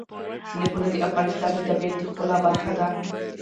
سیلابونه د افغانستان د طبیعت د ښکلا برخه ده.